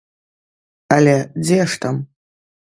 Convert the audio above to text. Але дзе ж там!